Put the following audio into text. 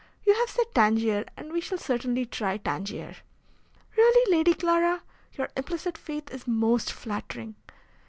You have said Tangier, and we shall certainly try Tangier." "Really, Lady Clara, your implicit faith is most flattering.